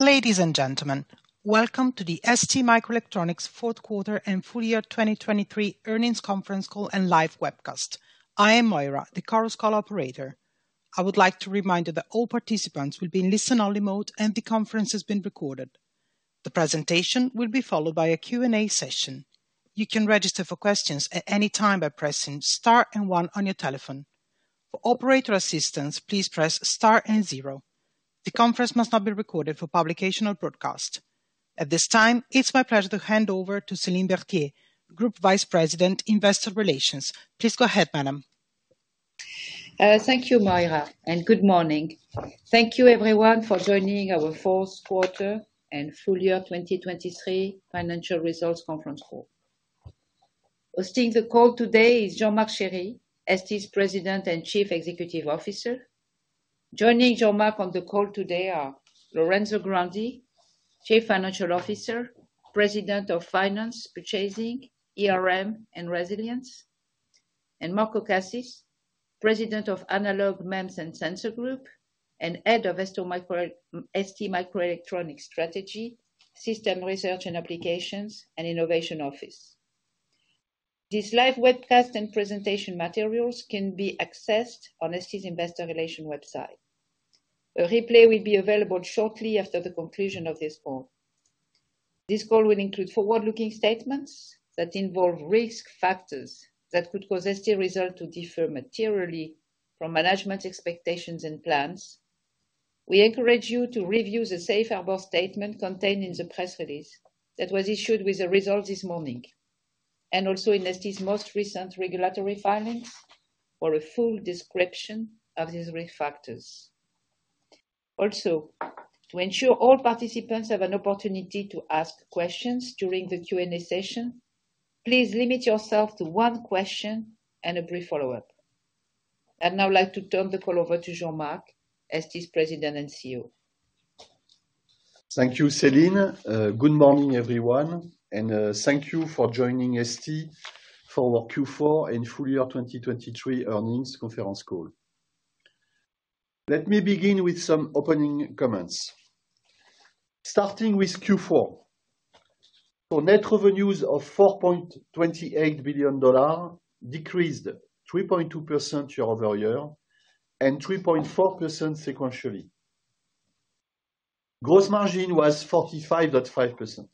Ladies and gentlemen, welcome to the STMicroelectronics Fourth Quarter and Full Year 2023 Earnings Conference Call and Live Webcast. I am Moira, the Chorus Call operator. I would like to remind you that all participants will be in listen-only mode, and the conference is being recorded. The presentation will be followed by a Q&A session. You can register for questions at any time by pressing * and 1 on your telephone. For operator assistance, please press * and 0. The conference must not be recorded for publication or broadcast. At this time, it's my pleasure to hand over to Céline Berthier, Group Vice President, Investor Relations. Please go ahead, madam. Thank you, Moira, and good morning. Thank you everyone for joining our Fourth Quarter and Full Year 2023 Financial Results Conference Call. Hosting the call today is Jean-Marc Chéry, ST's President and Chief Executive Officer. Joining Jean-Marc on the call today are Lorenzo Grandi, Chief Financial Officer, President of Finance, Purchasing, ERM, and Resilience, and Marco Cassis, President of Analog, MEMS, and Sensors Group, and Head of STMicroelectronics Strategy, System Research and Applications, and Innovation Office. These live webcast and presentation materials can be accessed on ST's Investor Relations website. A replay will be available shortly after the conclusion of this call. This call will include forward-looking statements that involve risk factors that could cause ST's results to differ materially from management expectations and plans. We encourage you to review the safe harbor statement contained in the press release that was issued with the results this morning, and also in ST's most recent regulatory filings for a full description of these risk factors. Also, to ensure all participants have an opportunity to ask questions during the Q&A session, please limit yourself to one question and a brief follow-up. I'd now like to turn the call over to Jean-Marc, ST's President and CEO. Thank you, Céline. Good morning, everyone, and thank you for joining ST for our Q4 and Full Year 2023 Earnings Conference Call. Let me begin with some opening comments. Starting with Q4, our net revenues of $4.28 billion decreased 3.2% year-over-year and 3.4% sequentially. Gross margin was 45.5%.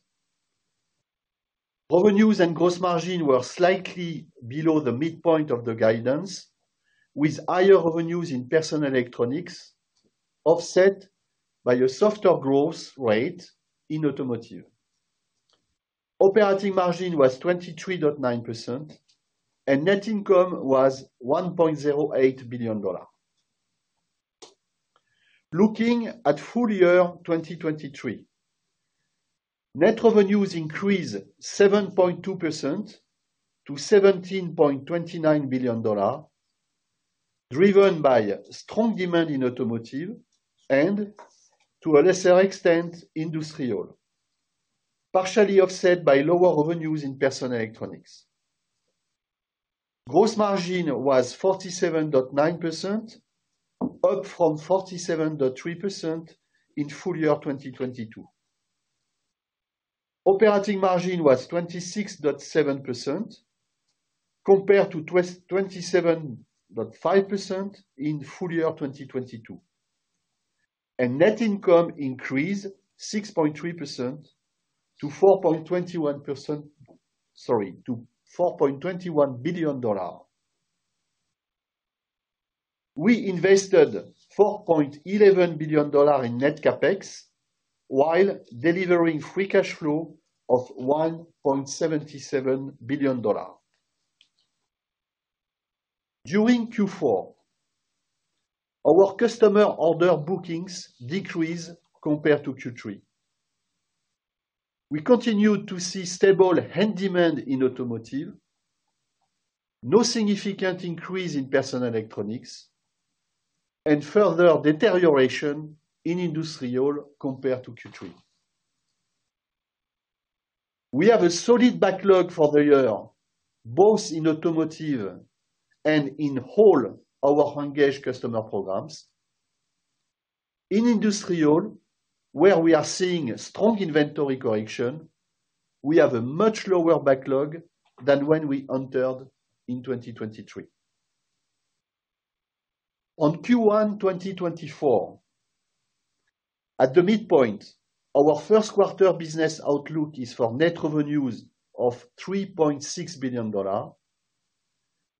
Revenues and gross margin were slightly below the midpoint of the guidance, with higher revenues in personal electronics offset by a softer growth rate in automotive. Operating margin was 23.9%, and net income was $1.08 billion. Looking at full year 2023, net revenues increased 7.2% to $17.29 billion, driven by strong demand in automotive and, to a lesser extent, industrial, partially offset by lower revenues in personal electronics. Gross margin was 47.9%, up from 47.3% in full year 2022. Operating margin was 26.7% compared to 27.5% in full year 2022. And net income increased 6.3% to 4.21%, sorry, to $4.21 billion. We invested $4.11 billion in net CapEx, while delivering free cash flow of $1.77 billion. During Q4, our customer order bookings decreased compared to Q3. We continued to see stable end demand in automotive, no significant increase in personal electronics, and further deterioration in industrial compared to Q3. We have a solid backlog for the year, both in automotive and in whole our engaged customer programs. In industrial, where we are seeing a strong inventory correction, we have a much lower backlog than when we entered in 2023. On Q1 2024, at the midpoint, our first quarter business outlook is for net revenues of $3.6 billion,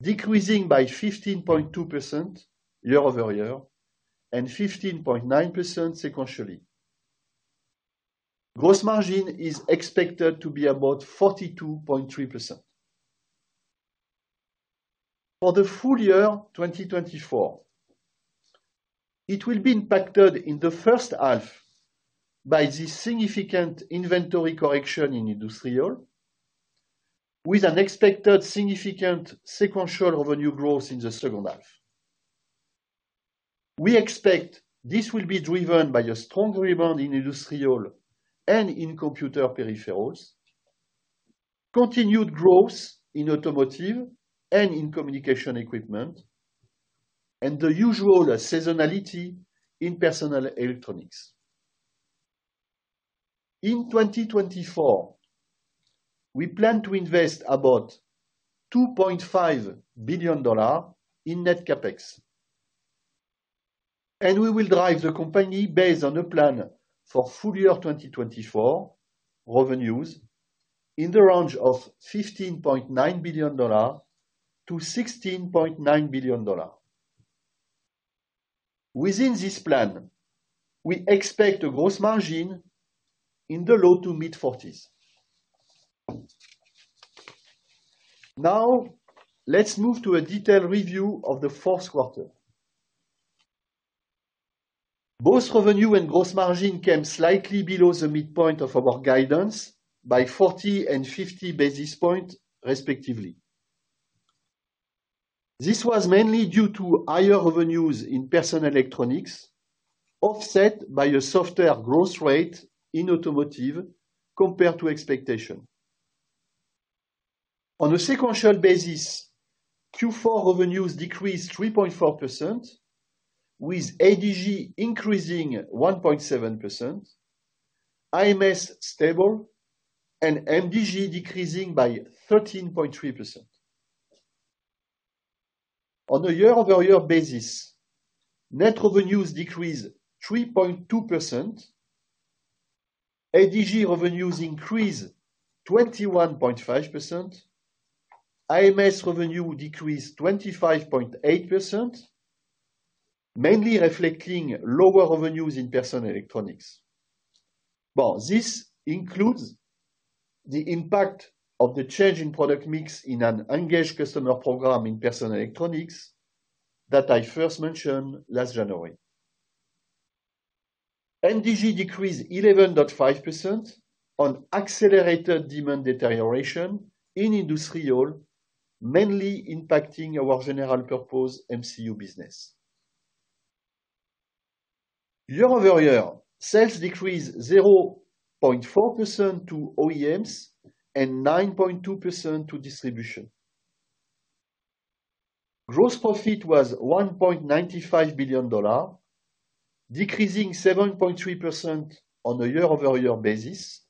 decreasing by 15.2% year-over-year and 15.9% sequentially. Gross margin is expected to be about 42.3%. For the full year 2024, it will be impacted in the first half by the significant inventory correction in industrial, with an expected significant sequential revenue growth in the second half. We expect this will be driven by a strong rebound in industrial and in computer peripherals, continued growth in automotive and in communication equipment, and the usual seasonality in personal electronics. In 2024, we plan to invest about $2.5 billion in net CapEx, and we will drive the company based on a plan for full year 2024 revenues in the range of $15.9 billion-$16.9 billion. Within this plan, we expect a gross margin in the low-to-mid 40s. Now, let's move to a detailed review of the fourth quarter. Both revenue and gross margin came slightly below the midpoint of our guidance by 40 basis points and 50 basis points, respectively. This was mainly due to higher revenues in personal electronics, offset by a softer growth rate in automotive compared to expectation. On a sequential basis, Q4 revenues decreased 3.4%, with ADG increasing 1.7%, IMS stable, and MDG decreasing by 13.3%. On a year-over-year basis, net revenues decreased 3.2%. ADG revenues increased 21.5%. IMS revenue decreased 25.8%, mainly reflecting lower revenues in personal electronics. But this includes the impact of the change in product mix in an engaged customer program in personal electronics that I first mentioned last January. MDG decreased 11.5% on accelerated demand deterioration in industrial, mainly impacting our general purpose MCU business. Year-over-year, sales decreased 0.4% to OEMs and 9.2% to distribution. Gross profit was $1.95 billion, decreasing 7.3% on a year-over-year basis.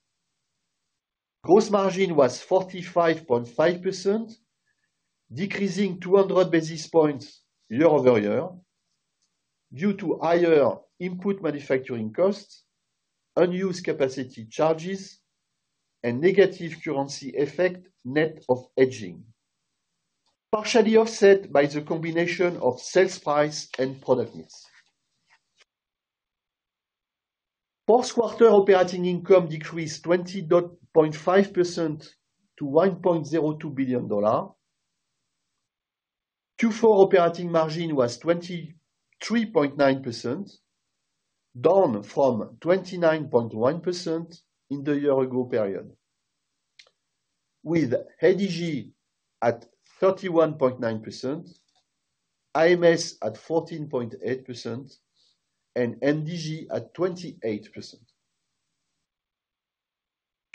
Gross margin was 45.5%, decreasing 200 basis points year-over-year, due to higher input manufacturing costs, unused capacity charges, and negative currency effect, net of hedging. Partially offset by the combination of sales price and product mix. Fourth quarter operating income decreased 20.5% to $1.02 billion. Q4 operating margin was 23.9%, down from 29.1% in the year-ago period, with ADG at 31.9%, IMS at 14.8%, and MDG at 28%.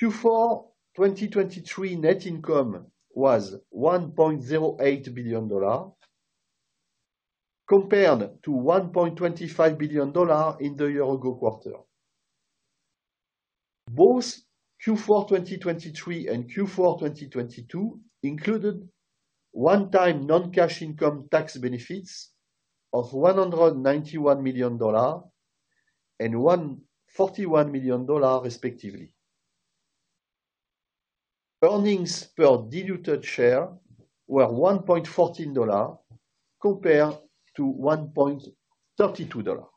Q4 2023 net income was $1.08 billion, compared to $1.25 billion in the year-ago quarter. Both Q4 2023 and Q4 2022 included one-time non-cash income tax benefits of $191 million and $141 million, respectively. Earnings per diluted share were $1.14 compared to $1.32.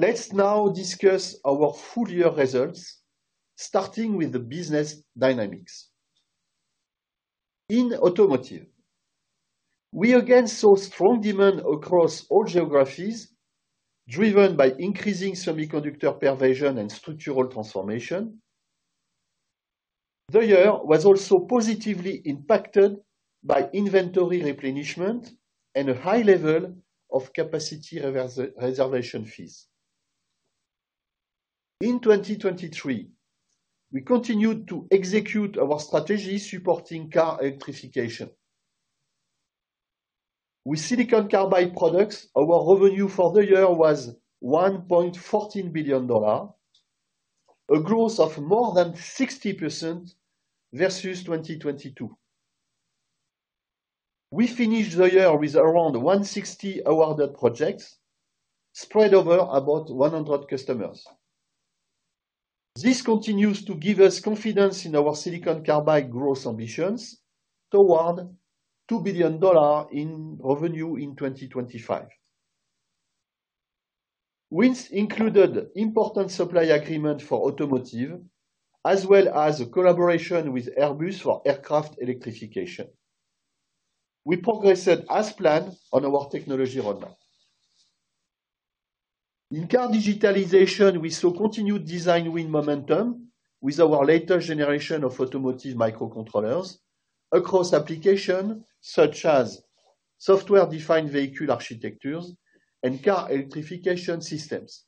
Let's now discuss our full year results, starting with the business dynamics. In automotive, we again saw strong demand across all geographies, driven by increasing semiconductor pervasion and structural transformation. The year was also positively impacted by inventory replenishment and a high level of capacity reservation fees. In 2023, we continued to execute our strategy supporting car electrification. With silicon carbide products, our revenue for the year was $1.14 billion, a growth of more than 60% versus 2022. We finished the year with around 160 awarded projects spread over about 100 customers. This continues to give us confidence in our silicon carbide growth ambitions toward $2 billion in revenue in 2025. Wins included important supply agreement for automotive, as well as a collaboration with Airbus for aircraft electrification. We progressed as planned on our technology roadmap. In car digitalization, we saw continued design win momentum with our latest generation of automotive microcontrollers across applications such as software-defined vehicle architectures, and car electrification systems.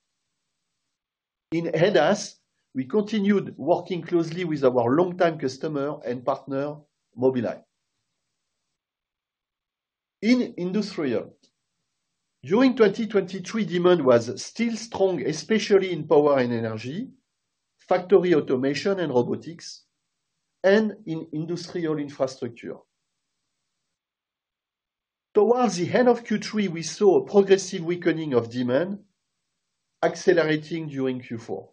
In ADAS, we continued working closely with our long-time customer and partner, Mobileye. In industrial, during 2023, demand was still strong, especially in power and energy, factory automation and robotics, and in industrial infrastructure. Towards the end of Q3, we saw a progressive weakening of demand accelerating during Q4.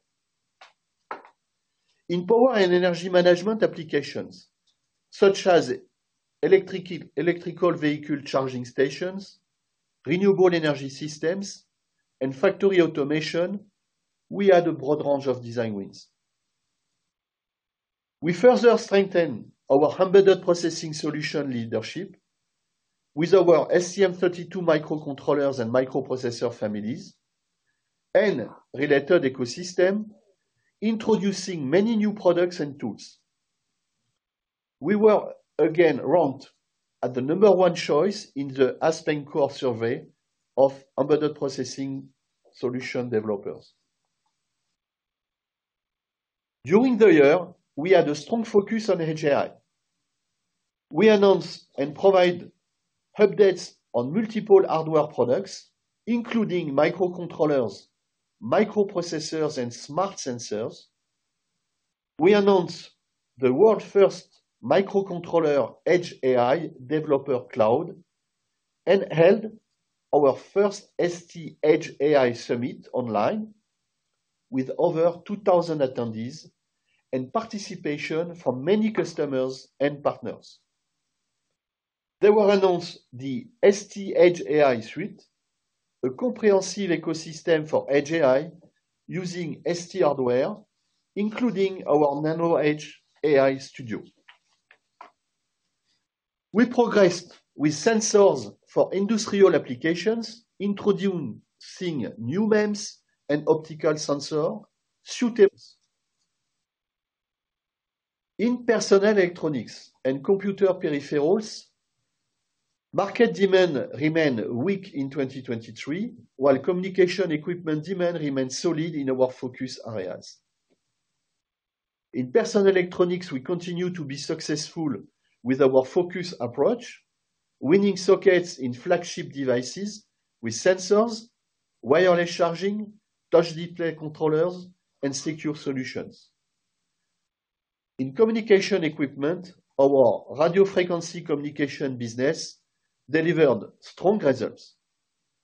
In power and energy management applications, such as electrical vehicle charging stations, renewable energy systems, and factory automation, we had a broad range of design wins. We further strengthened our embedded processing solution leadership with our STM32 microcontrollers and microprocessor families and related ecosystem, introducing many new products and tools. We were again ranked as the number one choice in the AspenCore survey of embedded processing solution developers. During the year, we had a strong focus on Edge AI. We announced and provide updates on multiple hardware products, including microcontrollers, microprocessors, and smart sensors. We announced the world's first microcontroller Edge AI developer cloud and held our first ST Edge AI Summit online, with over 2,000 attendees and participation from many customers and partners. They will announce the ST Edge AI Suite, a comprehensive ecosystem for Edge AI using ST hardware, including our NanoEdge AI Studio. We progressed with sensors for industrial applications, introducing new MEMS and optical sensor suites. In personal electronics and computer peripherals, market demand remained weak in 2023, while communication equipment demand remained solid in our focus areas. In personal electronics, we continue to be successful with our focus approach, winning sockets in flagship devices with sensors, wireless charging, touch display controllers, and secure solutions. In communication equipment, our radio frequency communication business delivered strong results.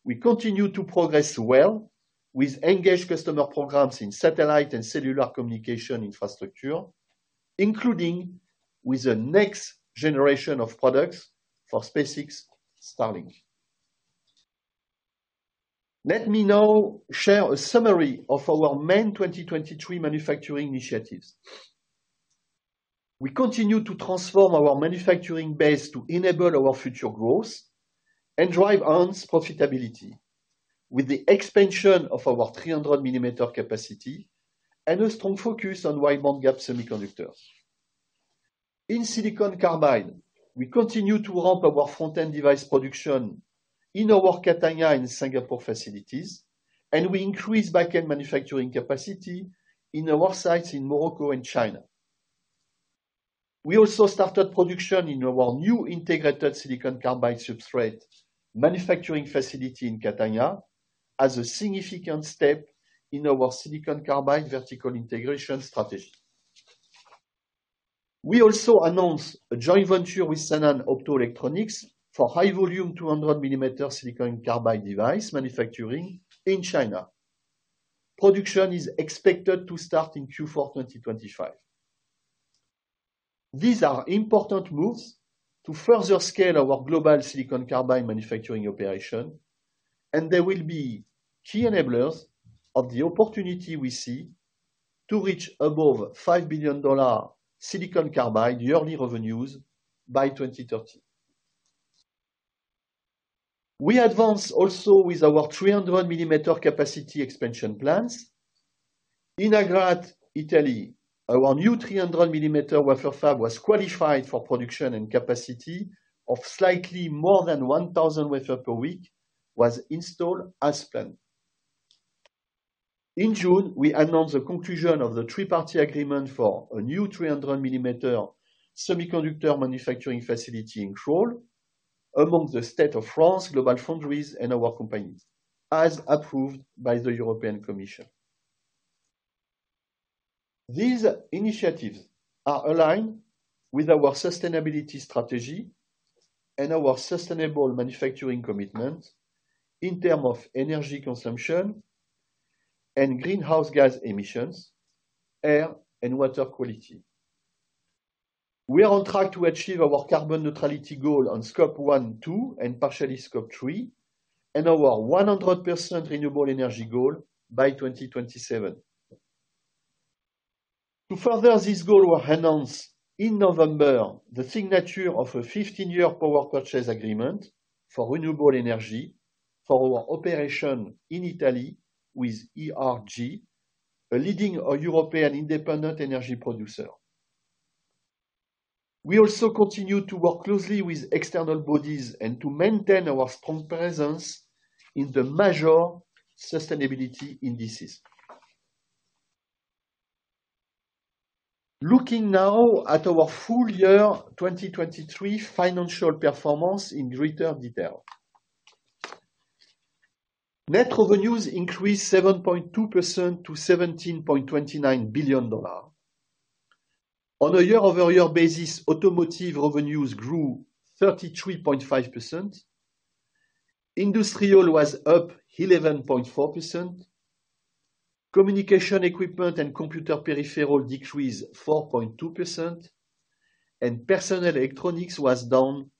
We continue to progress well with engaged customer programs in satellite and cellular communication infrastructure, including with the next generation of products for SpaceX Starlink. Let me now share a summary of our main 2023 manufacturing initiatives. We continue to transform our manufacturing base to enable our future growth and drive higher profitability, with the expansion of our 300 mm capacity and a strong focus on wide bandgap semiconductors. In silicon carbide, we continue to ramp our front-end device production in our Catania and Singapore facilities, and we increase back-end manufacturing capacity in our sites in Morocco and China. We also started production in our new integrated silicon carbide substrate manufacturing facility in Catania as a significant step in our silicon carbide vertical integration strategy. We also announced a joint venture with Sanan Optoelectronics for high volume, 200mm silicon carbide device manufacturing in China. Production is expected to start in Q4 2025. These are important moves to further scale our global silicon carbide manufacturing operation, and they will be key enablers of the opportunity we see to reach above $5 billion silicon carbide yearly revenues by 2030. We advance also with our 300 mm capacity expansion plans. In Agrate, Italy, our new 300 mm wafer fab was qualified for production and capacity of slightly more than 1,000 wafers per week was installed as planned. In June, we announced the conclusion of the three-party agreement for a new 300 mm semiconductor manufacturing facility in Crolles among the state of France, GlobalFoundries, and our companies, as approved by the European Commission. These initiatives are aligned with our sustainability strategy and our sustainable manufacturing commitment in terms of energy consumption and greenhouse gas emissions, air and water quality. We are on track to achieve our carbon neutrality goal on Scope 1, Scope 2, and partially Scope 3, and our 100% renewable energy goal by 2027. To further this goal, we announced in November the signature of a 15-year power purchase agreement for renewable energy for our operation in Italy with ERG, a leading European independent energy producer. We also continue to work closely with external bodies and to maintain our strong presence in the major sustainability indices. Looking now at our full year 2023 financial performance in greater detail. Net revenues increased 7.2% to $17.29 billion. On a year-over-year basis, automotive revenues grew 33.5%, industrial was up 11.4%, communication equipment and computer peripheral decreased 4.2%, and personal electronics was down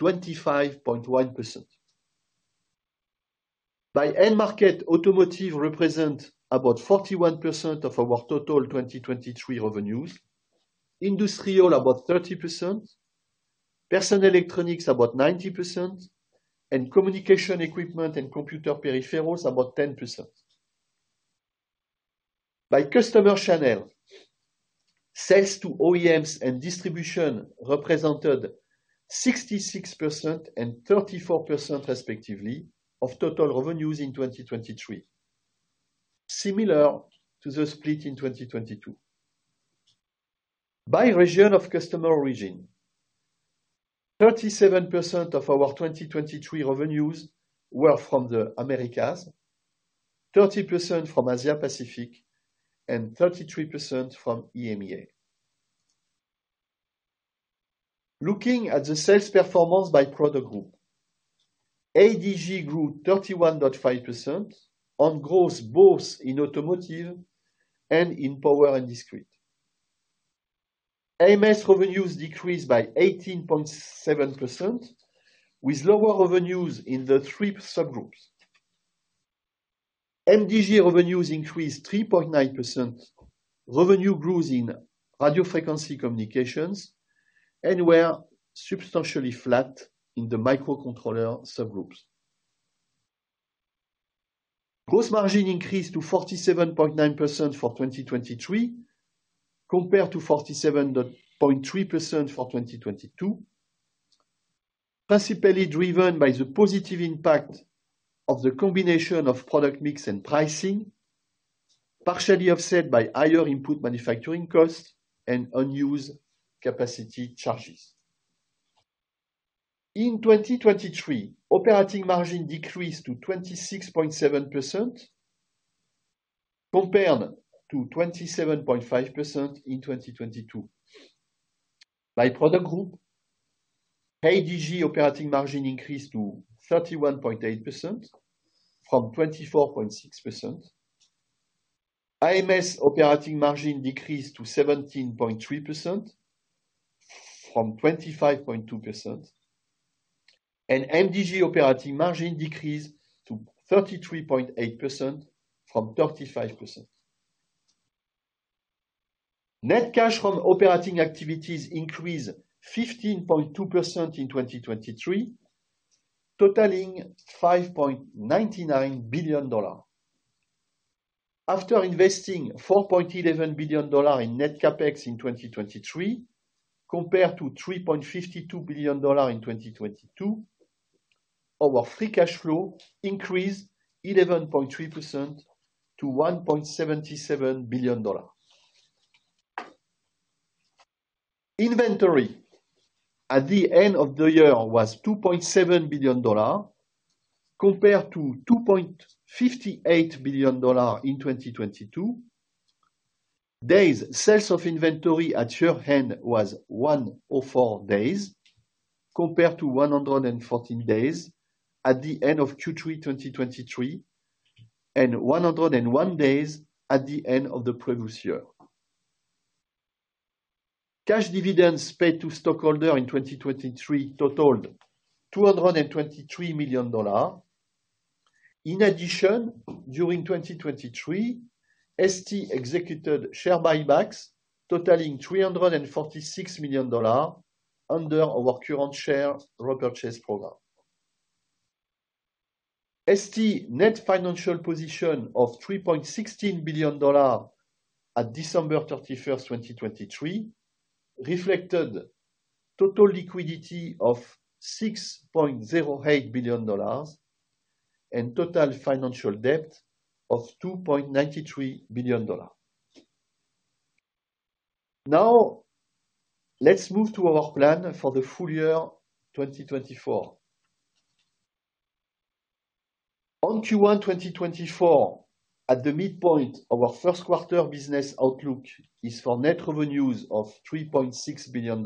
25.1%. By end market, automotive represent about 41% of our total 2023 revenues, industrial about 30%, personal electronics about 9%, and communication equipment and computer peripherals about 10%. By customer channel, sales to OEMs and distribution represented 66% and 34% respectively, of total revenues in 2023, similar to the split in 2022. By region of customer origin, 37% of our 2023 revenues were from the Americas, 30% from Asia Pacific, and 33% from EMEA. Looking at the sales performance by product group, ADG grew 31.5% on growth, both in automotive and in power and discrete. AMS revenues decreased by 18.7%, with lower revenues in the three subgroups. MDG revenues increased 3.9%. Revenue grows in radio frequency communications and were substantially flat in the microcontroller subgroups. Gross margin increased to 47.9% for 2023, compared to 47.3% for 2022, principally driven by the positive impact of the combination of product mix and pricing, partially offset by higher input manufacturing costs and unused capacity charges. In 2023, operating margin decreased to 26.7% compared to 27.5% in 2022. By product group, ADG operating margin increased to 31.8% from 24.6%. AMS operating margin decreased to 17.3% from 25.2%, and MDG operating margin decreased to 33.8% from 35%. Net cash from operating activities increased 15.2% in 2023, totaling $5.99 billion. After investing $4.11 billion in net CapEx in 2023, compared to $3.52 billion in 2022, our free cash flow increased 11.3% to $1.77 billion. Inventory at the end of the year was $2.7 billion, compared to $2.58 billion in 2022. Days sales of inventory at year-end was 104 days, compared to 114 days at the end of Q3 2023, and 101 days at the end of the previous year. Cash dividends paid to stockholder in 2023 totaled $223 million. In addition, during 2023, ST executed share buybacks totaling $346 million under our current share repurchase program. ST net financial position of $3.16 billion at December 31, 2023, reflected total liquidity of $6.08 billion and total financial debt of $2.93 billion. Now, let's move to our plan for the full year 2024. On Q1 2024, at the midpoint, our first quarter business outlook is for net revenues of $3.6 billion,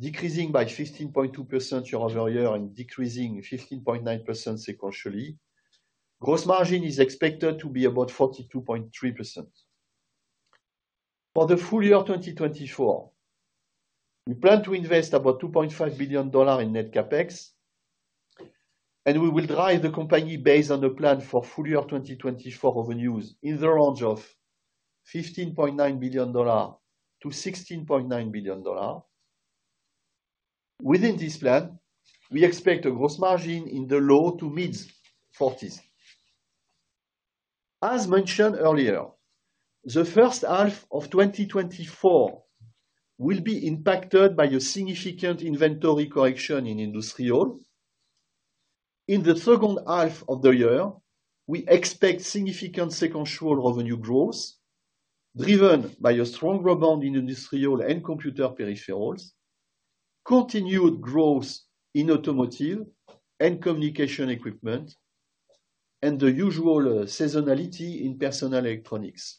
decreasing by 15.2% year-over-year and decreasing 15.9% sequentially. Gross margin is expected to be about 42.3%. For the full year 2024, we plan to invest about $2.5 billion in net CapEx, and we will drive the company based on the plan for full year 2024 revenues in the range of $15.9 billion-$16.9 billion. Within this plan, we expect a gross margin in the low-to-mid 40s. As mentioned earlier, the first half of 2024 will be impacted by a significant inventory correction in industrial. In the second half of the year, we expect significant sequential revenue growth, driven by a strong rebound in industrial and computer peripherals, continued growth in automotive and communication equipment, and the usual seasonality in personal electronics.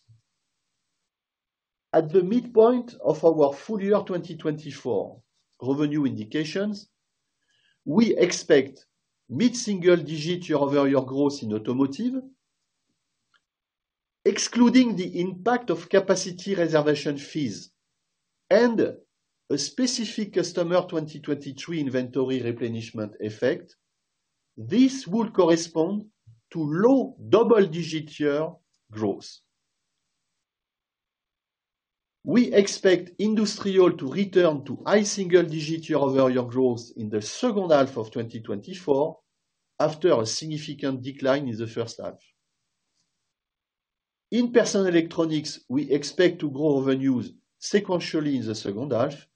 At the midpoint of our full-year 2024 revenue indications, we expect mid-single-digit year-over-year growth in automotive. Excluding the impact of capacity reservation fees and a specific customer 2023 inventory replenishment effect, this would correspond to low double-digit year growth. We expect industrial to return to high single-digit year-over-year growth in the second half of 2024, after a significant decline in the first half. In personal electronics, we expect to grow revenues sequentially in the second half,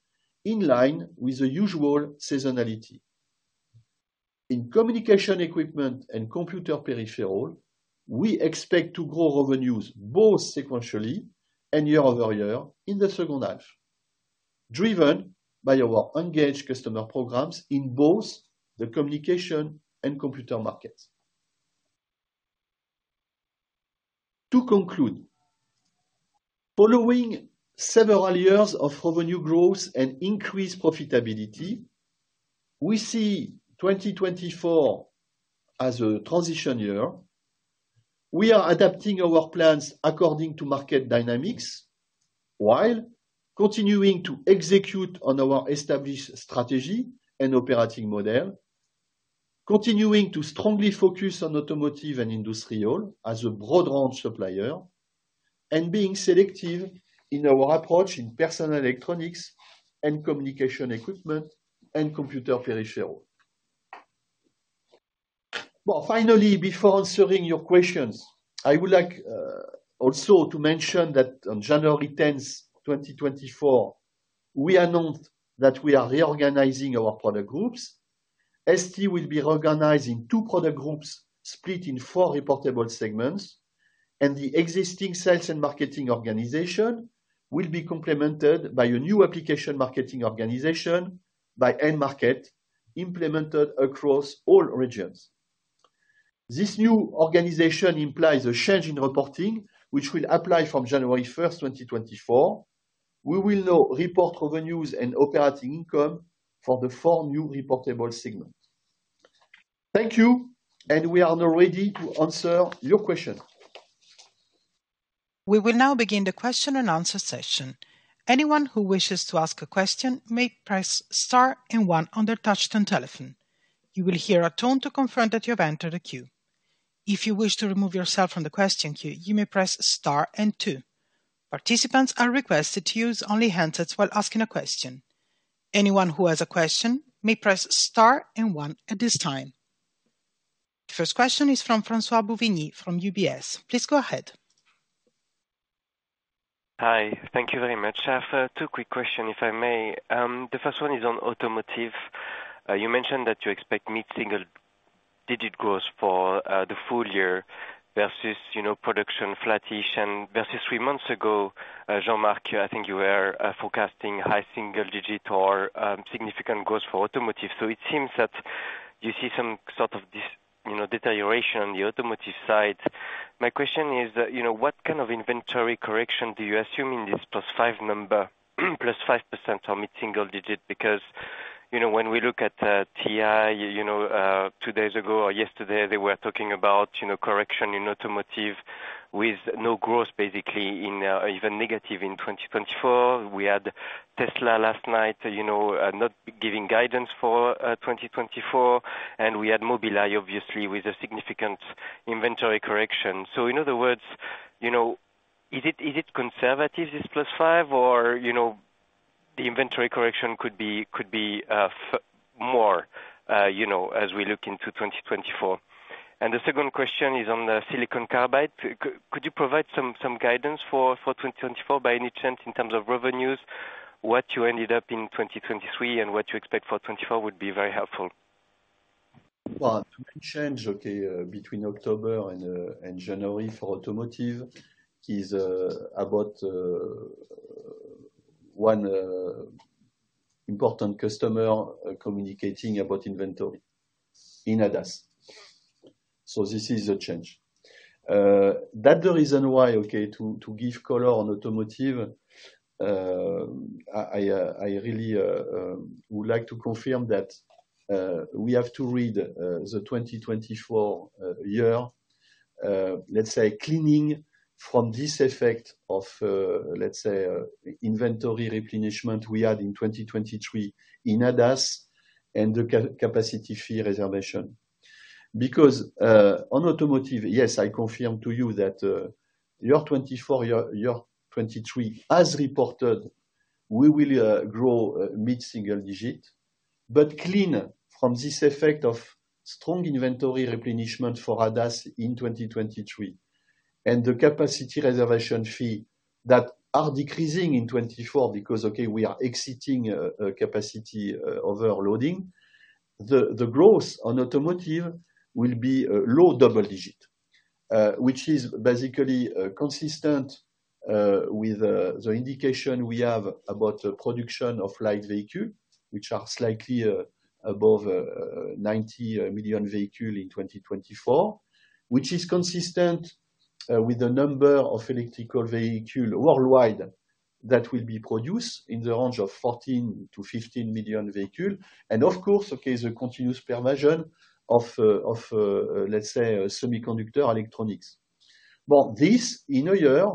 in line with the usual seasonality. In communication equipment and computer peripheral, we expect to grow revenues both sequentially and year-over-year in the second half, driven by our engaged customer programs in both the communication and computer markets. To conclude, following several years of revenue growth and increased profitability, we see 2024 as a transition year. We are adapting our plans according to market dynamics, while continuing to execute on our established strategy and operating model, continuing to strongly focus on automotive and industrial as a broad range supplier, and being selective in our approach in personal electronics and communication equipment, and computer peripheral. Well, finally, before answering your questions, I would like also to mention that on January 10, 2024, we announced that we are reorganizing our product groups. ST will be organized in two product groups, split in four reportable segments, and the existing sales and marketing organization will be complemented by a new application marketing organization, by end market, implemented across all regions. This new organization implies a change in reporting, which will apply from January 1, 2024. We will now report revenues and operating income for the four new reportable segments. Thank you, and we are now ready to answer your question. We will now begin the question-and-answer session. Anyone who wishes to ask a question may press * and 1 on their touchtone telephone. You will hear a tone to confirm that you have entered a queue. If you wish to remove yourself from the question queue, you may press * and 2. Participants are requested to use only handsets while asking a question. Anyone who has a question may press * and 1 at this time. The first question is from François-Xavier Bouvignies from UBS. Please go ahead. Hi. Thank you very much. I have two quick question, if I may. The first one is on automotive. You mentioned that you expect mid-single digit growth for the full year versus, you know, production flattish. And versus three months ago, Jean-Marc, I think you were forecasting high single digit or significant growth for automotive. So it seems that you see some sort of this, you know, deterioration on the automotive side. My question is, you know, what kind of inventory correction do you assume in this plus five number, +5% or mid-single digit? Because, you know, when we look at TI, you know, two days ago or yesterday, they were talking about, you know, correction in automotive with no growth, basically, in even negative in 2024. We had Tesla last night, you know, not giving guidance for 2024, and we had Mobileye, obviously, with a significant inventory correction. So in other words, you know, is it conservative, this +5%, or, you know, the inventory correction could be far more, you know, as we look into 2024? And the second question is on the silicon carbide. Could you provide some guidance for 2024, by any chance, in terms of revenues? What you ended up in 2023 and what you expect for 2024 would be very helpful. Well, the change, okay, between October and January for automotive is about one important customer communicating about inventory in ADAS. So this is the change. That the reason why, okay, to give color on automotive, I really would like to confirm that we have to read the 2024 year, let's say, cleaning from this effect of, let's say, inventory replenishment we had in 2023 in ADAS and the capacity fee reservation. Because on automotive, yes, I confirm to you that year 2024, year 2023, as reported. We will grow mid-single-digit, but cleaner from this effect of strong inventory replenishment for ADAS in 2023, and the capacity reservation fee that are decreasing in 2024, because, okay, we are exiting capacity overloading. The growth on automotive will be low double-digit, which is basically consistent with the indication we have about the production of light vehicle, which are slightly above 90 million vehicle in 2024, which is consistent with the number of electric vehicle worldwide that will be produced in the range of 14 million-15 million vehicle. And of course, okay, the continuous penetration of, let's say, semiconductor electronics. Well, this in a year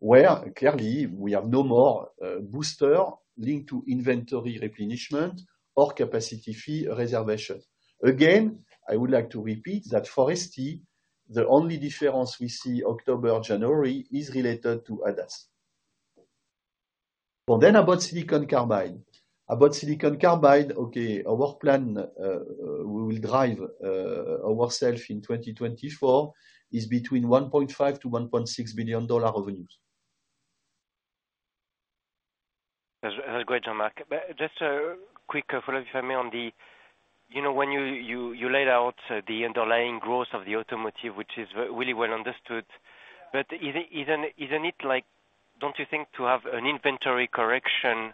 where clearly we have no more booster linked to inventory replenishment or capacity fee reservation. Again, I would like to repeat that for ST, the only difference we see October, January is related to ADAS. Well, then about silicon carbide. About silicon carbide, okay, our work plan, we will drive, ourself in 2024, is between $1.5 billion-$1.6 billion revenues. That's great, Jean-Marc. But just a quick follow-up if I may, on the, you know, when you laid out the underlying growth of the automotive, which is really well understood. But isn't it, like, don't you think to have an inventory correction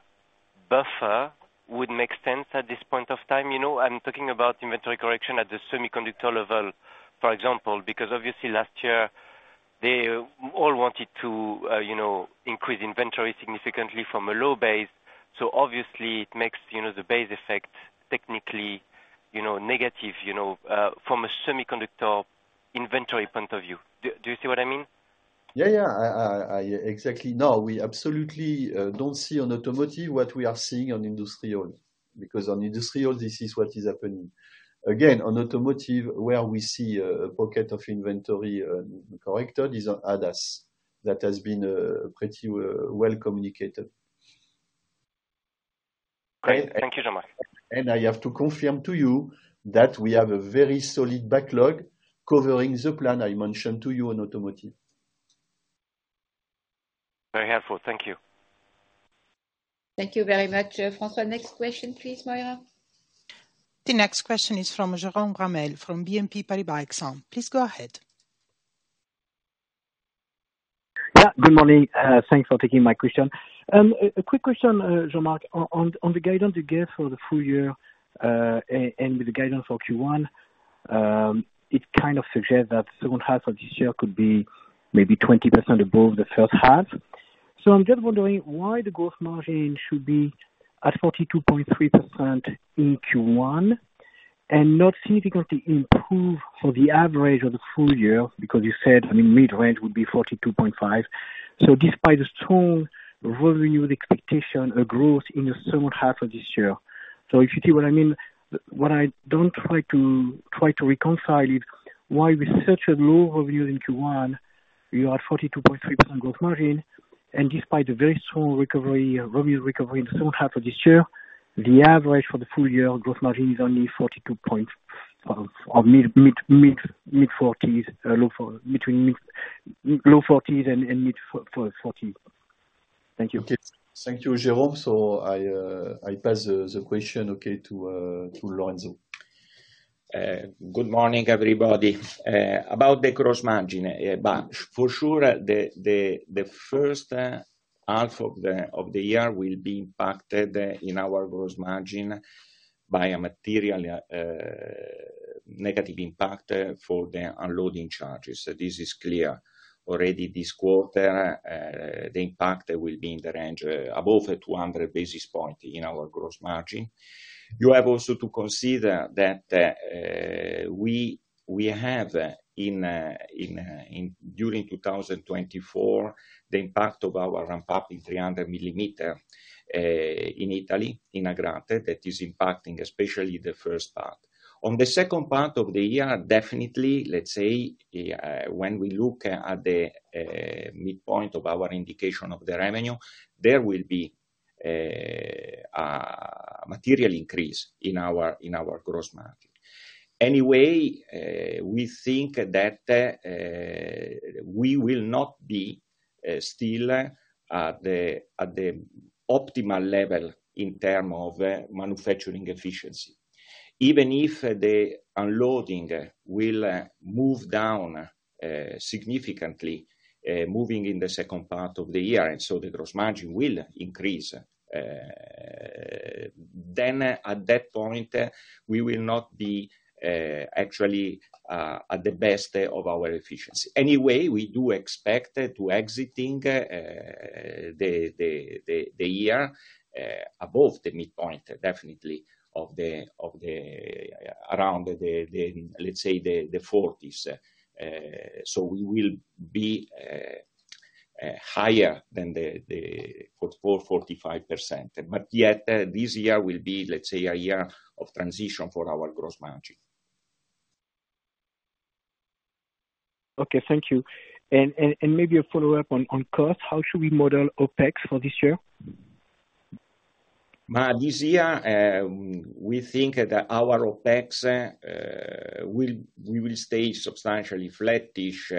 buffer would make sense at this point of time? You know, I'm talking about inventory correction at the semiconductor level, for example, because obviously last year they all wanted to, you know, increase inventory significantly from a low base. So obviously it makes, you know, the base effect technically, you know, negative, you know, from a semiconductor inventory point of view. Do you see what I mean? Yeah, yeah, I exactly know. We absolutely don't see on automotive what we are seeing on industrial. Because on industrial, this is what is happening. Again, on automotive, where we see a pocket of inventory corrected is on ADAS. That has been pretty well communicated. Great. Thank you so much. I have to confirm to you that we have a very solid backlog covering the plan I mentioned to you on automotive. Very helpful. Thank you. Thank you very much, François. Next question, please, Moira. The next question is from Jérôme Ramel from BNP Paribas Exane. Please go ahead. Yeah, good morning. Thanks for taking my question. A quick question, Jean-Marc, on the guidance you gave for the full year, and the guidance for Q1, it kind of suggests that second half of this year could be maybe 20% above the first half. So I'm just wondering why the gross margin should be at 42.3% in Q1, and not significantly improve for the average of the full year, because you said, I mean, mid-range would be 42.5. So despite the strong revenue expectation, a growth in the second half of this year. So if you see what I mean, what I don't try to reconcile is, why with such a low revenue in Q1, you are at 42.3% gross margin, and despite the very strong recovery, revenue recovery in the second half of this year, the average for the full year gross margin is only 42 points or mid-forties, between low forties and mid-forties. Thank you. Thank you, Jérôme. So I pass the question, okay, to Lorenzo. Good morning, everybody. About the gross margin, but for sure, the first half of the year will be impacted in our gross margin by a material negative impact for the unloading charges. So this is clear. Already this quarter, the impact will be in the range of above 200 basis points in our gross margin. You have also to consider that we have in during 2024, the impact of our ramp-up in 300 mm in Italy, in Agrate, that is impacting especially the first part. On the second part of the year, definitely, let's say, when we look at the midpoint of our indication of the revenue, there will be a material increase in our gross margin. Anyway, we think that we will not be still at the optimal level in terms of manufacturing efficiency. Even if the unloading will move down significantly, moving in the second part of the year, and so the gross margin will increase, then at that point, we will not be actually at the best of our efficiency. Anyway, we do expect exiting the year above the midpoint, definitely, of the, around the, let's say, the 40s. So we will be higher than the 44%-45%. But yet, this year will be, let's say, a year of transition for our gross margin. Okay, thank you. And maybe a follow-up on cost. How should we model OpEx for this year? This year, we think that our OpEx will stay substantially flattish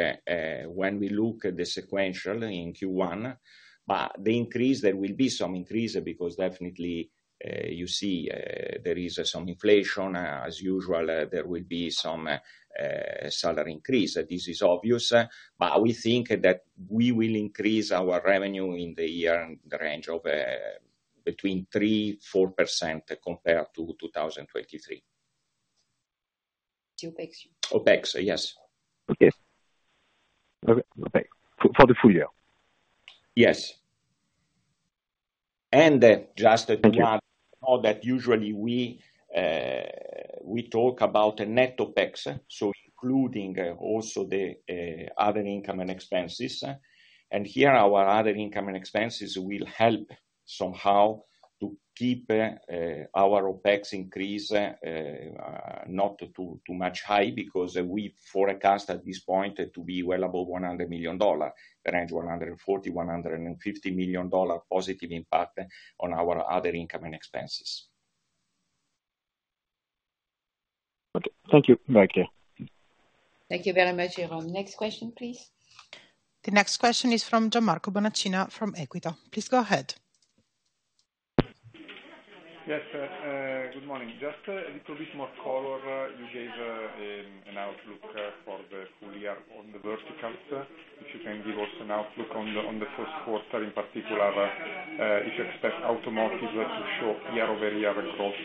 when we look at the sequential in Q1. But the increase, there will be some increase because definitely, you see, there is some inflation. As usual, there will be some salary increase. This is obvious, but we think that we will increase our revenue in the year in the range of between 3%-4% compared to 2023. To OpEx. OpEx, yes. Okay. Okay. For the full year? Yes. And, just to. Okay. That usually we, we talk about a net OpEx, so including also the other income and expenses. And here, our other income and expenses will help somehow to keep our OpEx increase not too, too much high, because we forecast at this point to be well above $100 million, around $140 million-$150 million positive impact on our other income and expenses. Okay. Thank you. Thank you. Thank you very much, Jérôme. Next question, please. The next question is from Gianmarco Bonacina from Equita. Please go ahead. Yes, sir, good morning. Just a little bit more color you gave in an outlook for the full year on the verticals. If you can give us an outlook on the first quarter, in particular, if you expect automotive to show year-over-year growth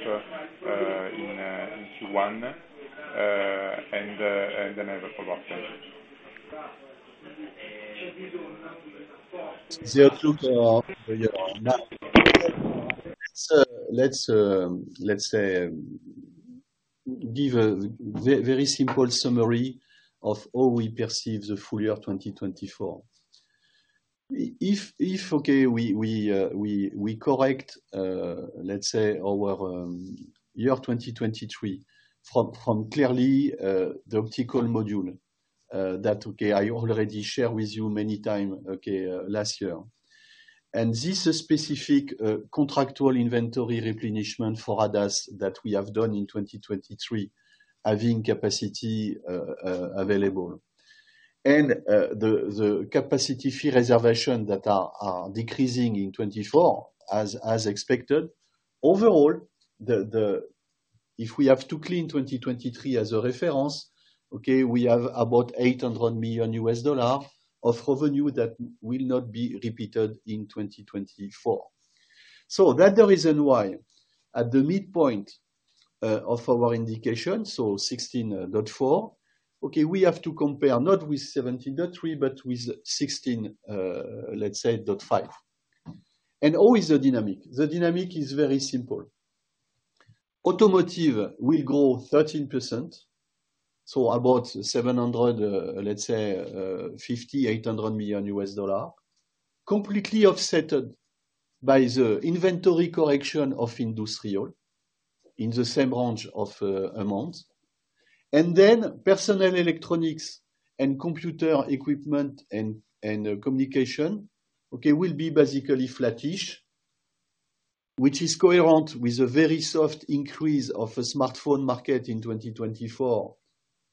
in Q1, and then I have a follow-up. Thank you. The outlook for year, now, let's say, give a very simple summary of how we perceive the full year 2024. If, okay, we correct, let's say our year 2023 from clearly the optical module that I already shared with you many time last year. And this specific contractual inventory replenishment for ADAS that we have done in 2023, having capacity available. And the capacity fee reservation that are decreasing in 2024, as expected. Overall, if we have to clean 2023 as a reference, okay, we have about $800 million of revenue that will not be repeated in 2024. So that's the reason why, at the midpoint of our indication, so 16.4, okay, we have to compare not with 17.3, but with 16, let's say, 0.5. And how is the dynamic? The dynamic is very simple. Automotive will grow 13%, so about $750 million-$800 million, completely offset by the inventory correction of industrial in the same range of amounts. And then personal electronics and computer equipment and communication, okay, will be basically flattish, which is coherent with a very soft increase of a smartphone market in 2024,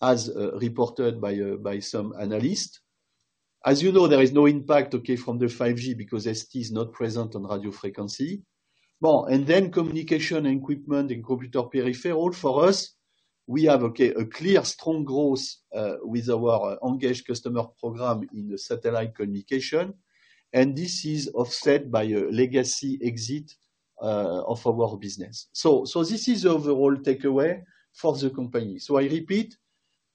as reported by some analysts. As you know, there is no impact, okay, from the 5G because ST is not present on radio frequency. Well, and then communication and equipment and computer peripheral for us, we have, okay, a clear strong growth, with our engaged customer program in the satellite communication, and this is offset by a legacy exit, of our business. So, so this is the overall takeaway for the company. So I repeat,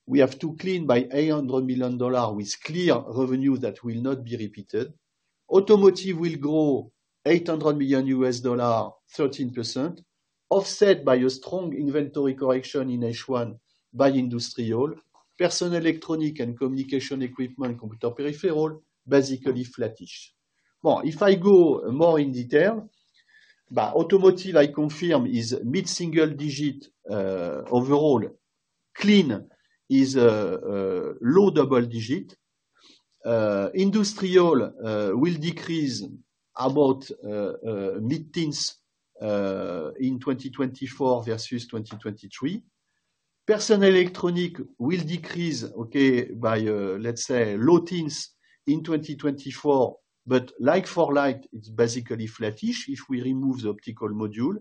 we have to clean by $800 million, with clear revenue that will not be repeated. Automotive will grow $800 million, 13%, offset by a strong inventory correction in H1 by industrial. Personal electronic and communication equipment and computer peripheral, basically flattish. Well, if I go more in detail, but automotive, I confirm, is mid-single digit, overall. Clean is, low double digit. Industrial, will decrease about, mid-teens, in 2024 versus 2023. Personal electronic will decrease, okay, by, let's say, low teens in 2024, but like for like, it's basically flattish if we remove the optical module.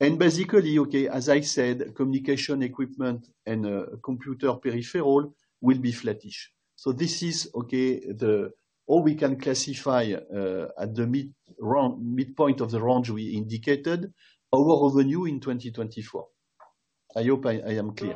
And basically, okay, as I said, communication, equipment and, computer peripheral will be flattish. So this is, okay, the, all we can classify, at the mid-range, midpoint of the range we indicated our revenue in 2024. I hope I am clear.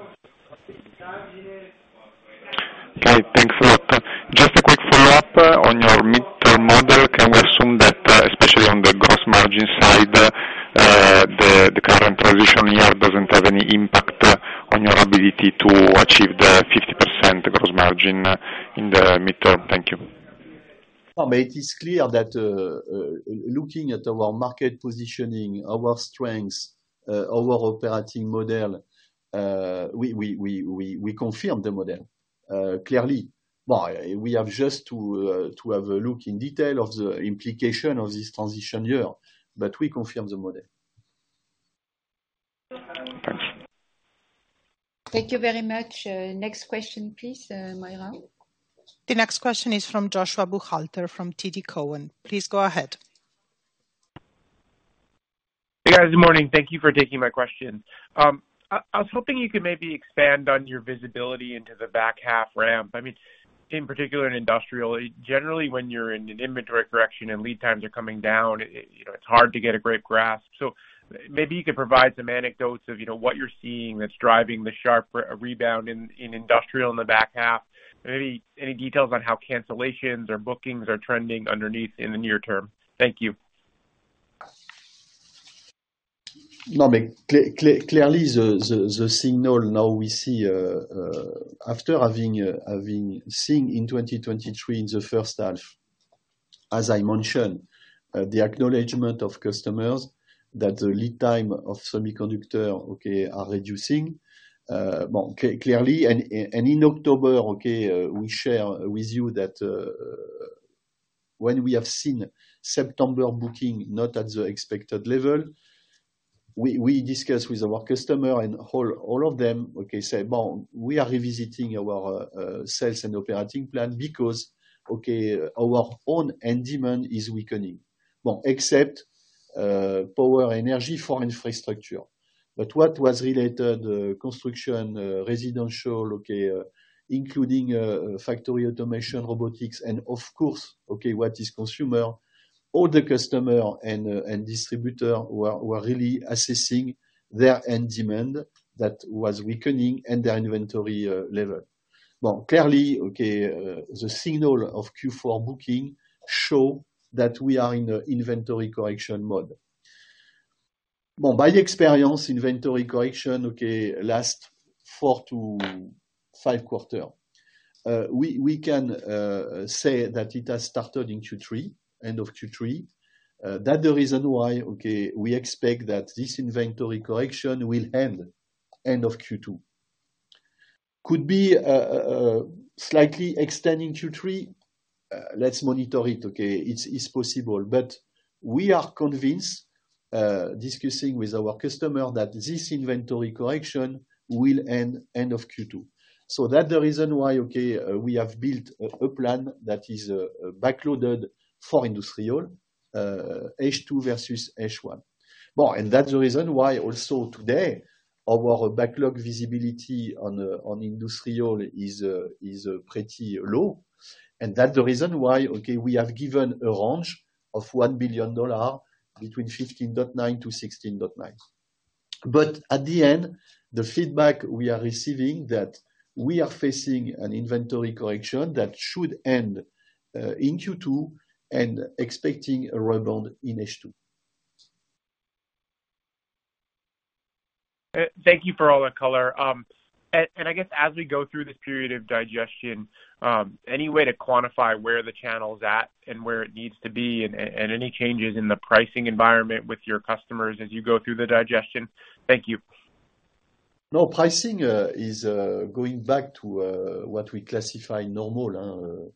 Okay, thanks a lot. Just a quick follow-up on your midterm model. Can we assume that, especially on the gross margin side, the current transition year doesn't have any impact on your ability to achieve the 50% gross margin in the midterm? Thank you. Oh, but it is clear that looking at our market positioning, our strengths, our operating model, we confirm the model clearly. Well, we have just to have a look in detail of the implication of this transition year, but we confirm the model. Thanks. Thank you very much. Next question, please, Moira. The next question is from Joshua Buchalter from TD Cowen. Please go ahead. Hey, guys. Good morning. Thank you for taking my question. I was hoping you could maybe expand on your visibility into the back half ramp. I mean, in particular, in industrial, generally, when you're in an inventory correction and lead times are coming down, you know, it's hard to get a great grasp. So maybe you could provide some anecdotes of, you know, what you're seeing that's driving the sharp rebound in industrial in the back half. Maybe any details on how cancellations or bookings are trending underneath in the near term? Thank you. No, but clearly, the signal now we see after having seen in 2023, in the first half, as I mentioned, the acknowledgment of customers that the lead time of semiconductors are reducing. Well, clearly, and in October, we share with you that when we have seen September bookings not at the expected level, we discuss with our customers and all of them say, "Well, we are revisiting our sales and operating plan because our own end demand is weakening." Well, except power energy for infrastructure, but what was related construction, residential, including factory automation, robotics, and of course, what is consumer, all the customers and distributors were really assessing their end demand that was weakening and their inventory level. Well, clearly, the signal of Q4 bookings show that we are in an inventory correction mode. Well, by experience, inventory correction lasts four-five quarters. We can say that it has started in Q3, end of Q3. That's the reason why, we expect that this inventory correction will end end of Q2. Could be slightly extending Q3. Let's monitor it, okay? It's possible, but we are convinced, discussing with our customer that this inventory correction will end end of Q2. So that's the reason why, we have built a plan that is backloaded for industrial, H2 versus H1. Well, and that's the reason why also today, our backlog visibility on industrial is pretty low. That's the reason why, okay, we have given a range of $1 billion between $15.9 billion-$16.9 billion. But at the end, the feedback we are receiving, that we are facing an inventory correction that should end in Q2 and expecting a rebound in H2. Thank you for all that color. I guess as we go through this period of digestion, any way to quantify where the channel's at and where it needs to be, and any changes in the pricing environment with your customers as you go through the digestion? Thank you. No, pricing is going back to what we classify normal,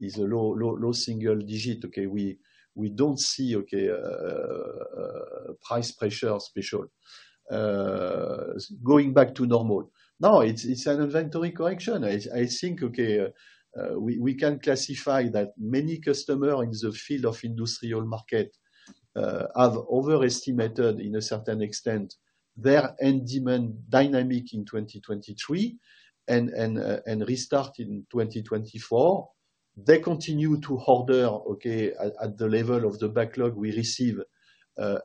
is a low, low, low single digit, okay? We don't see, okay, price pressure special. Going back to normal. No, it's an inventory correction. I think, okay, we can classify that many customer in the field of industrial market have overestimated, in a certain extent, their end demand dynamic in 2023 and, and, and restart in 2024. They continue to order, okay, at the level of the backlog we receive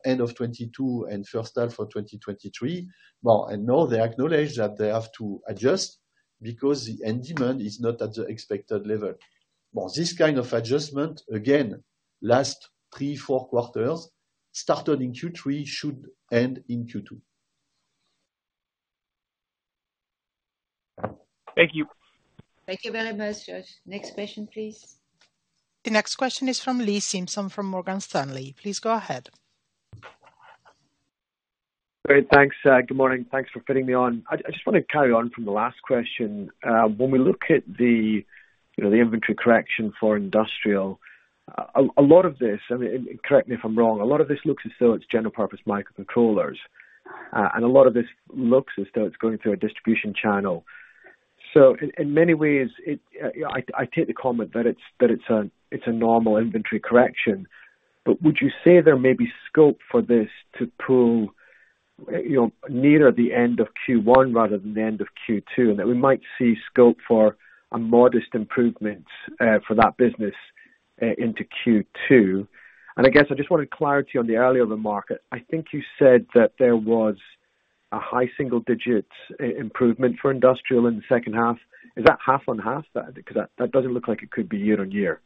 end of 2022 and first half for 2023. Well, and now they acknowledge that they have to adjust because the end demand is not at the expected level. Well, this kind of adjustment, again, last three, four quarters, started in Q3, should end in Q2. Thank you. Thank you very much, Josh. Next question, please. The next question is from Lee Simpson from Morgan Stanley. Please go ahead. Great. Thanks, good morning. Thanks for putting me on. I just want to carry on from the last question. When we look at the, you know, the inventory correction for industrial, a lot of this, I mean, and correct me if I'm wrong, a lot of this looks as though it's general purpose microcontrollers. And a lot of this looks as though it's going through a distribution channel. So in many ways, it. I take the comment that it's, that it's a normal inventory correction, but would you say there may be scope for this to pull, you know, nearer the end of Q1 rather than the end of Q2, and that we might see scope for a modest improvement for that business into Q2? I guess I just wanted clarity on the outlook for the market. I think you said that there was a high single-digit improvement for industrial in the second half. Is that half-on-half? That, 'cause that doesn't look like it could be year-on-year.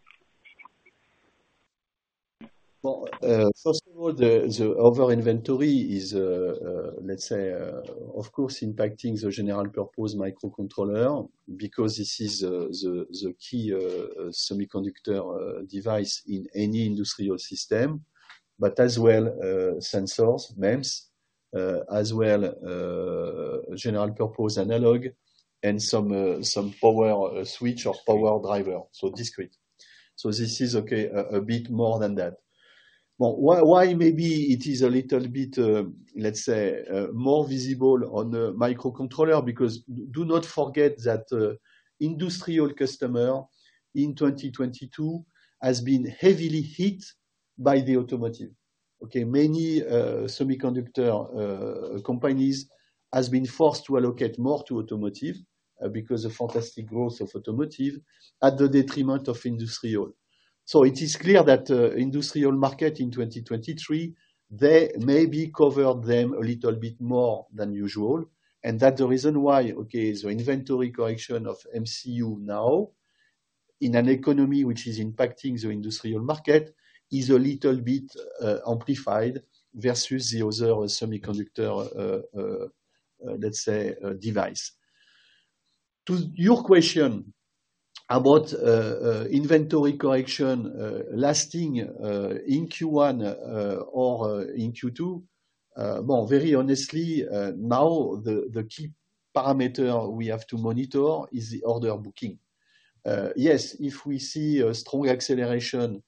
Well, first of all, the over inventory is, let's say, of course, impacting the general purpose microcontroller, because this is the key semiconductor device in any industrial system. But as well, sensors, MEMS, as well, general purpose analog and some power switch or power driver, so discrete. So this is, okay, a bit more than that. Well, why maybe it is a little bit, let's say, more visible on the microcontroller? Because do not forget that, industrial customer in 2022 has been heavily hit by the automotive. Okay? Many semiconductor companies has been forced to allocate more to automotive, because of fantastic growth of automotive at the detriment of industrial. So it is clear that, industrial market in 2023, they maybe cover them a little bit more than usual, and that's the reason why, okay, the inventory correction of MCU now, in an economy which is impacting the industrial market, is a little bit, amplified versus the other semiconductor, let's say, device. To your question about, inventory correction, lasting, in Q1, or, in Q2. Well, very honestly, now the, the key parameter we have to monitor is the order booking. Yes, if we see a strong acceleration,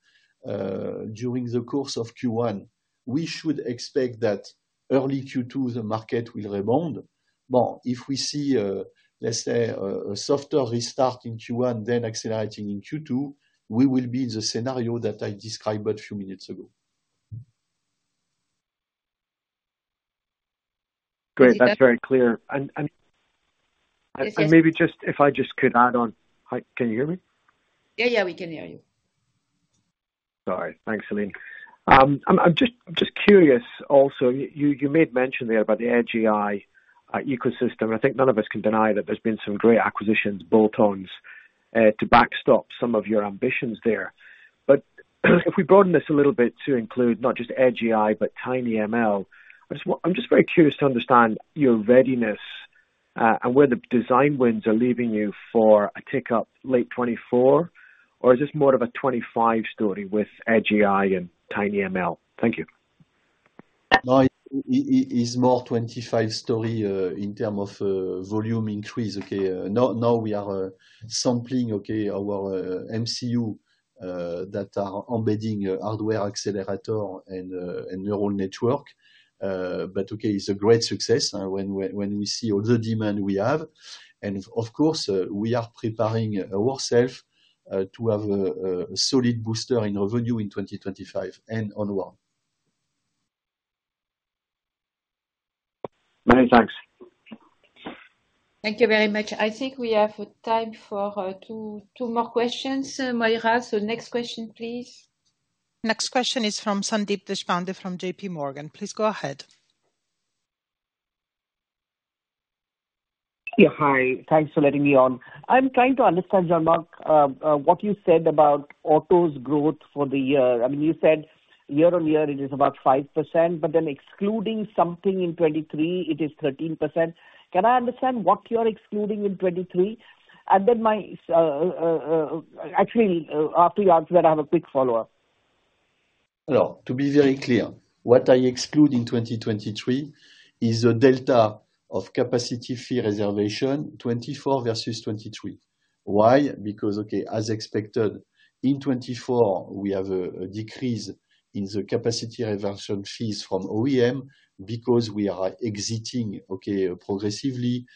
during the course of Q1, we should expect that early Q2, the market will rebound. But if we see, let's say, a, a softer restart in Q1, then accelerating in Q2, we will be in the scenario that I described but a few minutes ago. Great, that's very clear. Yes, yes. And maybe just if I just could add on. Hi, can you hear me? Yeah, yeah, we can hear you. Sorry. Thanks, Céline. I'm just curious also, you made mention there about the Edge AI ecosystem. I think none of us can deny that there's been some great acquisitions, bolt-ons, to backstop some of your ambitions there. But if we broaden this a little bit to include not just Edge AI, but TinyML, I'm just very curious to understand your readiness and where the design wins are leaving you for a tick up late 2024, or is this more of a 2025 story with Edge AI and TinyML? Thank you. No, it's more 25 story in terms of volume increase. Okay, now we are sampling, okay, our MCU that are embedding hardware accelerator and neural network. But okay, it's a great success when we see all the demand we have. And of course, we are preparing ourselves to have a solid booster in our revenue in 2025 and onward. Many thanks. Thank you very much. I think we have time for two, two more questions, Moira. Next question, please. Next question is from Sandeep Deshpande from J.P. Morgan. Please go ahead. Yeah, hi. Thanks for letting me on. I'm trying to understand, Jean-Marc, what you said about autos growth for the year. I mean, you said year-on-year it is about 5%, but then excluding something in 2023, it is 13%. Can I understand what you're excluding in 2023? And then, actually, after you answer that, I have a quick follow-up. No, to be very clear, what I exclude in 2023 is a delta of capacity fee reservation, 2024 versus 2023. Why? Because, okay, as expected, in 2024, we have a decrease in the capacity reversion fees from OEM because we are exiting, okay, progressively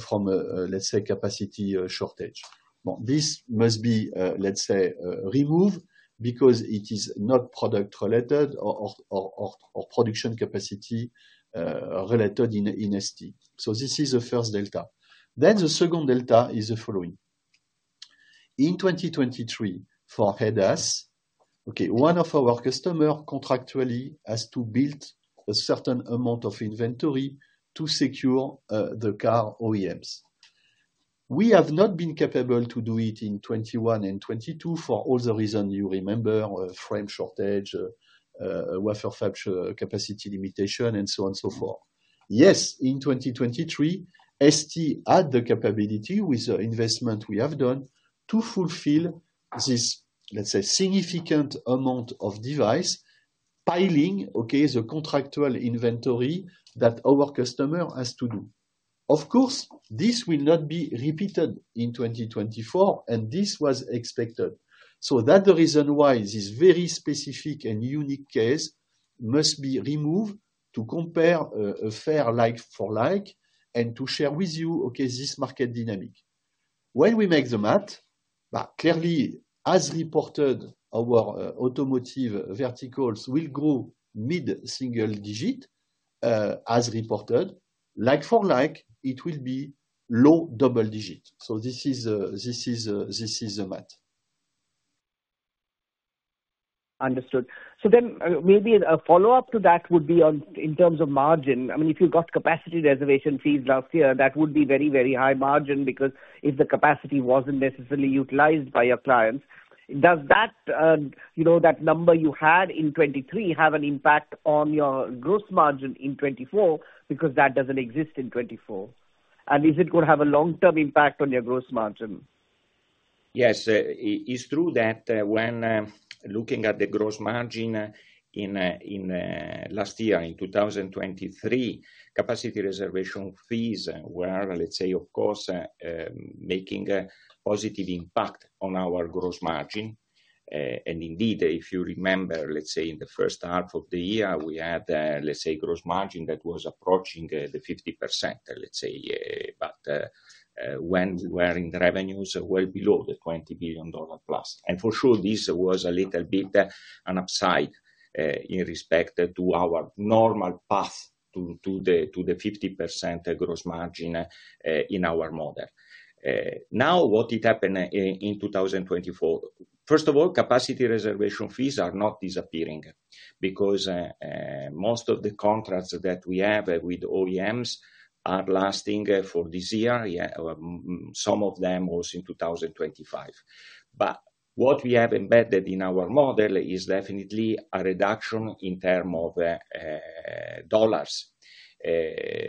from a, let's say, capacity shortage. Well, this must be, let's say, removed, because it is not product related or production capacity related in ST. So this is the first delta. Then the second delta is the following: in 2023 for ADAS, okay, one of our customer contractually has to build a certain amount of inventory to secure the car OEMs. We have not been capable to do it in 2021 and 2022 for all the reason you remember, frame shortage, wafer factory capacity limitation, and so on and so forth. Yes, in 2023, ST had the capability with the investment we have done, to fulfill this, let's say, significant amount of device piling, okay, the contractual inventory that our customer has to do. Of course, this will not be repeated in 2024, and this was expected. So that's the reason why this very specific and unique case must be removed to compare a fair like-for-like, and to share with you, okay, this market dynamic. When we make the math, clearly, as reported, our automotive verticals will grow mid-single digit, as reported. Like-for-like, it will be low double digit. So this is the math. Understood. So then, maybe a follow-up to that would be on, in terms of margin. I mean, if you got capacity reservation fees last year, that would be very, very high margin, because if the capacity wasn't necessarily utilized by your clients, does that, you know, that number you had in 2023 have an impact on your gross margin in 2024? Because that doesn't exist in 2024. And is it going to have a long-term impact on your gross margin? Yes, it's true that when looking at the gross margin in last year, in 2023, capacity reservation fees were, let's say, of course, making a positive impact on our gross margin. And indeed, if you remember, let's say, in the first half of the year, we had, let's say, a gross margin that was approaching the 50%, let's say. But when we were in revenues well below the $20 billion+. And for sure, this was a little bit an upside in respect to our normal path to the 50% gross margin in our model. Now, what it happened in 2024? First of all, capacity reservation fees are not disappearing because most of the contracts that we have with OEMs are lasting for this year, some of them also in 2025. But what we have embedded in our model is definitely a reduction in terms of dollars.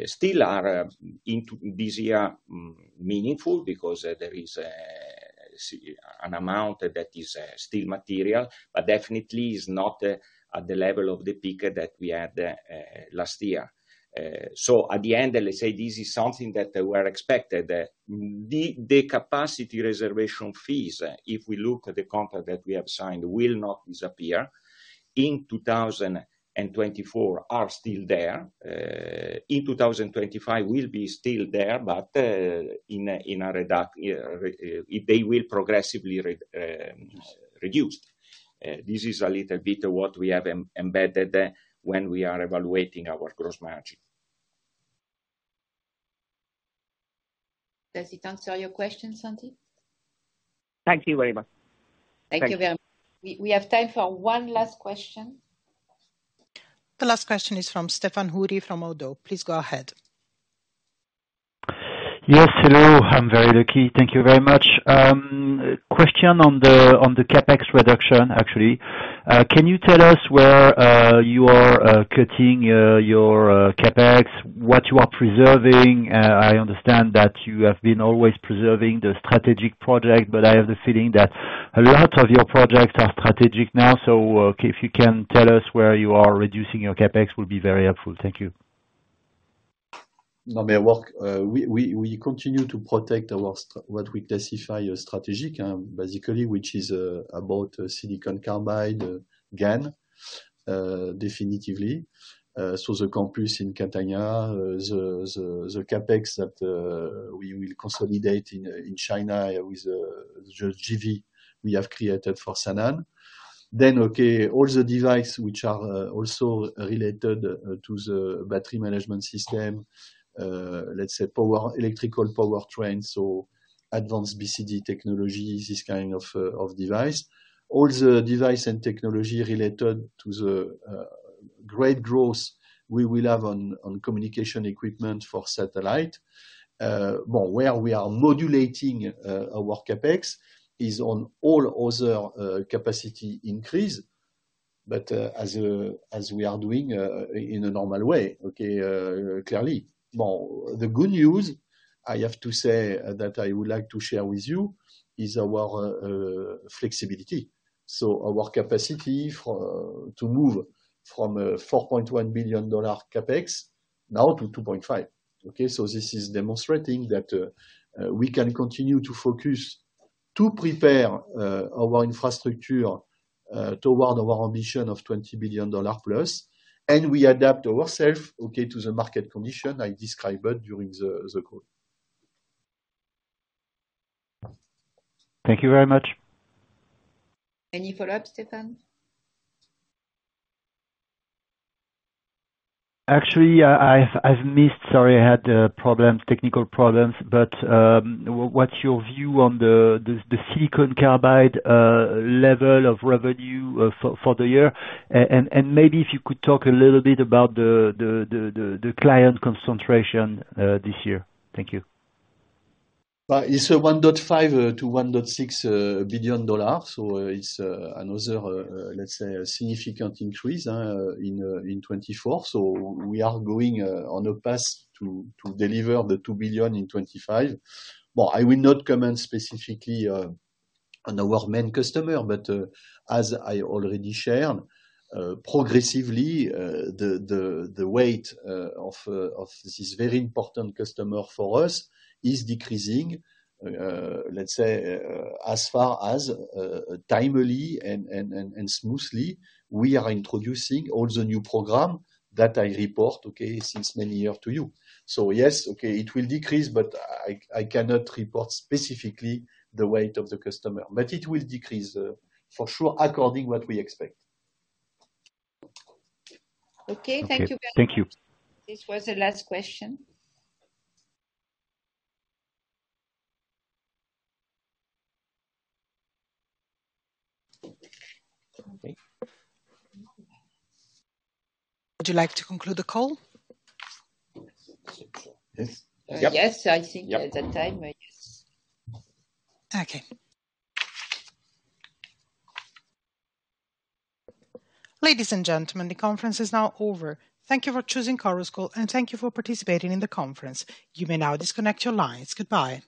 Still are into this year meaningful because there is, let's see, an amount that is still material, but definitely is not at the level of the peak that we had last year. So at the end, let's say this is something that were expected, that the capacity reservation fees, if we look at the contract that we have signed, will not disappear. In 2024 are still there, in 2025 will be still there, but in a reduced. They will progressively reduced. This is a little bit of what we have embedded when we are evaluating our gross margin. Does it answer your question, Sandeep? Thank you very much. Thank you very much. We have time for one last question. The last question is from Stephane Houri from ODDO. Please go ahead. Yes, hello. I'm very lucky. Thank you very much. Question on the CapEx reduction, actually. Can you tell us where you are cutting your CapEx? What you are preserving? I understand that you have been always preserving the strategic project, but I have the feeling that a lot of your projects are strategic now. So, if you can tell us where you are reducing your CapEx, will be very helpful. Thank you. No, they work. We continue to protect what we classify as strategic, basically, which is about silicon carbide, GaN, definitively. So the campus in Catania, the CapEx that we will consolidate in China with the JV we have created for Sanan. Then, all the device which are also related to the battery management system, let's say power, electrical power trains, so advanced BCD technology, this kind of device. All the device and technology related to the great growth we will have on communication equipment for satellite. Well, where we are modulating our CapEx is on all other capacity increase, but as we are doing in a normal way, okay? Clearly. Well, the good news I have to say, that I would like to share with you is our flexibility. So our capacity for to move from a $4.1 billion CapEx now to $2.5 billion. Okay? So this is demonstrating that we can continue to focus, to prepare our infrastructure toward our ambition of $20 billion plus, and we adapt ourself, okay, to the market condition I described during the call. Thank you very much. Any follow-up, Stéphane? Actually, I've missed, sorry, I had problems, technical problems. But, what's your view on the silicon carbide level of revenue for the year? And maybe if you could talk a little bit about the client concentration this year. Thank you. It's $1.5 billion-$1.6 billion. So it's another, let's say, a significant increase in 2024. So we are going on a path to deliver the $2 billion in 2025. Well, I will not comment specifically on our main customer, but as I already shared, progressively, the weight of this very important customer for us is decreasing. Let's say, as far as timely and smoothly, we are introducing all the new program that I report, okay, since many years to you. So yes, okay, it will decrease, but I cannot report specifically the weight of the customer, but it will decrease for sure, according what we expect. Okay. Thank you very much. Thank you. This was the last question. Would you like to conclude the call? Yes. Yep. Yes, I think at the time, I guess. Okay. Ladies and gentlemen, the conference is now over. Thank you for choosing Chorus Call, and thank you for participating in the conference. You may now disconnect your lines. Goodbye.